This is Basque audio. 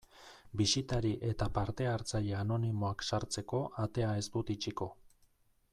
Bisitari eta parte hartzaile anonimoak sartzeko atea ez dut itxiko.